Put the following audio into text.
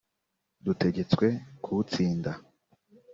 dutegetswe kuwutsinda